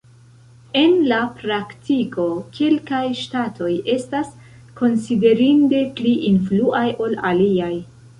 En la praktiko, kelkaj ŝtatoj estas konsiderinde pli influaj ol aliaj.